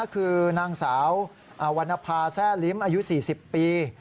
คือนางสาววรรณภาแซ่ลิ้มอายุ๔๐ปี